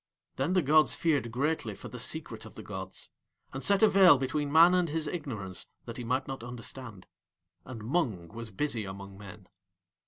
Then the gods feared greatly for the Secret of the gods, and set a veil between Man and his ignorance that he might not understand. And Mung was busy among Men.